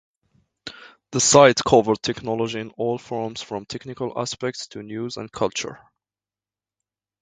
"The Site" covered technology in all forms, from technical aspects to news and culture.